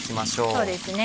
そうですね。